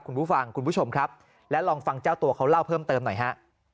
คุณผู้ฟังคุณผู้ชมครับและลองฟังเจ้าตัวเขาเล่าเพิ่มเติมหน่อยฮะ